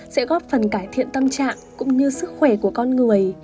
sẽ góp phần cải thiện tâm trạng cũng như sức khỏe của con người